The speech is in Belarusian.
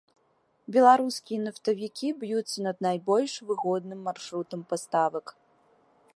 Беларускія нафтавікі б'юцца над найбольш выгодным маршрутам паставак.